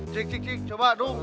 cik cik cik coba dong